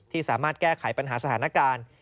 สามารถแก้ไขปัญหาสถานการณ์